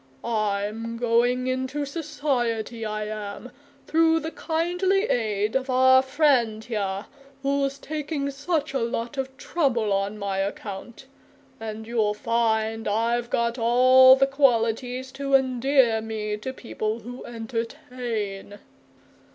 I'm going into Society, I am, through the kindly aid of our friend here, who's taking such a lot of trouble on my account; and you'll find I've got all the qualities to endear me to people who entertain!